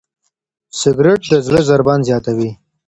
سګریټ د زړه ضربان زیاتوي.